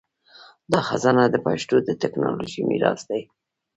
دا خزانه د پښتو د ټکنالوژۍ میراث دی.